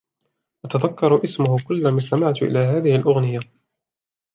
أتذكر أسمه ، كلما استمعت إلى هذه الأغنية.